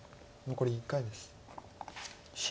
残り１回です。